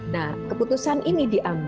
nah keputusan ini dianggap